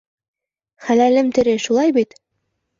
Хәләлем тере, шулай бит?